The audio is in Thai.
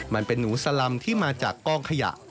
มันเป็นหนูสลำที่มาจากกล้องขยะ